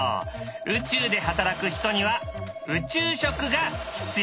宇宙で働く人には宇宙食が必要なんだ。